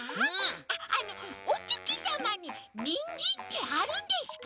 あっあのおつきさまにニンジンってあるんですか？